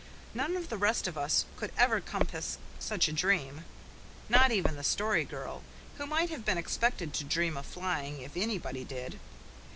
None of the rest of us could ever compass such a dream, not even the Story Girl, who might have been expected to dream of flying if anybody did.